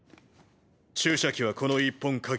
注射器はこの１本限り。